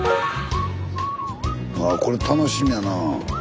あこれ楽しみやな。